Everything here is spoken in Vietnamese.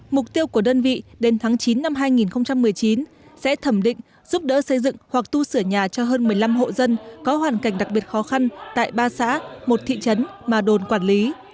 mục tiêu của đơn vị đến tháng chín năm hai nghìn một mươi chín sẽ thẩm định giúp đỡ xây dựng hoặc tu sửa nhà cho hơn một mươi năm hộ dân có hoàn cảnh đặc biệt khó khăn tại ba xã một thị trấn mà đồn quản lý